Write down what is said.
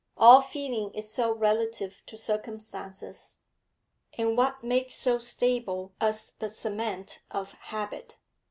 All feeling is so relative to circumstances, and what makes so stable as the cement of habit?